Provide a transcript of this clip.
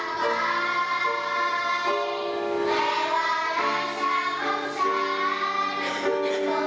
ก็คืออาหารภาคไทย